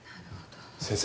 先生！